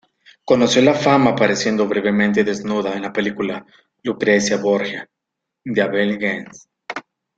Conoció la fama apareciendo brevemente desnuda en la película "Lucrecia Borgia" de Abel Gance.